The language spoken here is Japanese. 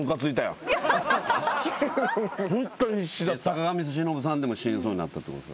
坂上忍さんでも死にそうになったってこと？